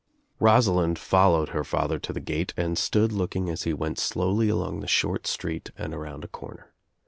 Rosalind followed her father to the gate and stood looking as he went slowly along the short street and around a corner.